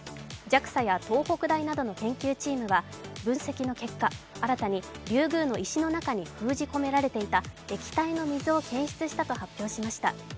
ＪＡＸＡや東北大などの研究チームは分析の結果、新たにリュウグウの石の中に封じ込められていた液体の水を検出したと発表しました。